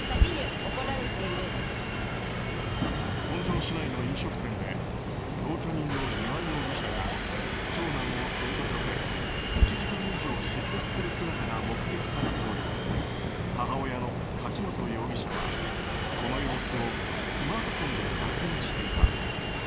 本庄市内での飲食店で同居人の丹羽容疑者が長男を正座させ１時間以上叱責する姿が目撃されており母親の柿本容疑者は、この様子をスマートフォンで撮影していた。